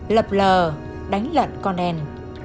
lập lờ đánh lận con nèn